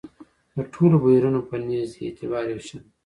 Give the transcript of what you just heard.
د ټولو بهیرونو په نزد یې اعتبار یو شان دی.